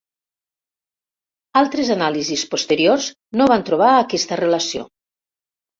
Altres anàlisis posteriors no van trobar aquesta relació.